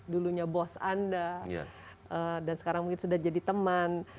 dulunya bos anda dan sekarang mungkin sudah jadi teman